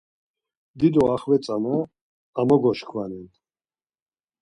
Dido axvetzana amogoşkvanen.